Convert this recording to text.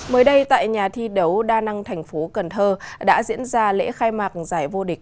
mới đây tại nhà thi đấu đa năng thành phố cần thơ đã diễn ra lễ khai mạc giải vô địch